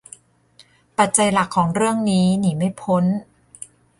ปัจจัยหลักของเรื่องนี้หนีไม่พ้น